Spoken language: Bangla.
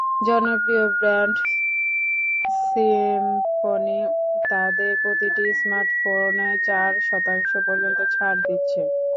জনপ্রিয় ব্র্যান্ড সিম্ফনি তাদের প্রতিটি স্মার্টফোনে চার শতাংশ পর্যন্ত ছাড় দিচ্ছে।